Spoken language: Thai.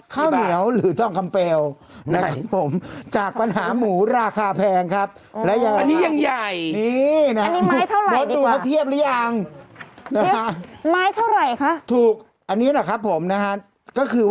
ข้าวเหนียวหรือจ้องกำเปลนะครับผมให้บาก